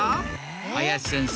林先生